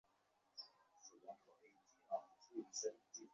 এই বলিয়া তিনি প্রস্থানের উপক্রম করিলেন।